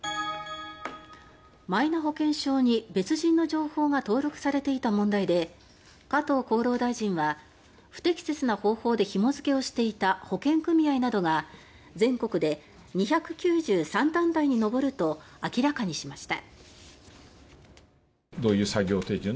マイナ保険証に別人の情報が登録されていた問題で加藤厚労大臣は不適切な方法でひも付けをしていた保険組合などが全国で２９３団体に上ると明らかにしました。